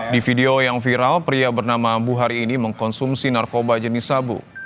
di video yang viral pria bernama buhari ini mengkonsumsi narkoba jenis sabu